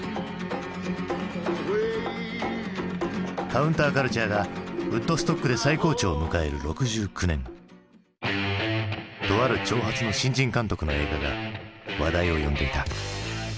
カウンターカルチャーがウッドストックで最高潮を迎える６９年とある長髪の新人監督の映画が話題を呼んでいた。